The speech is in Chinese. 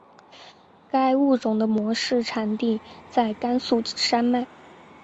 该物种的模式产地在甘肃山脉。